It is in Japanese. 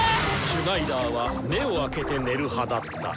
シュナイダーは目をあけて寝る派だった！